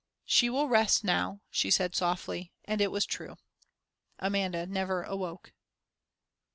"She will rest now," she said softly, and it was true. Amanda never awoke.